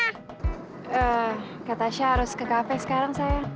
kak tasya harus ke kafe sekarang sayang